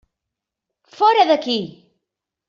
Fora d'aquí!